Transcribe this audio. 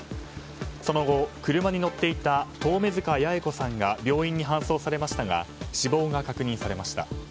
その後、車に乗っていた遠目塚八重子さんが病院に搬送されましたが死亡が確認されました。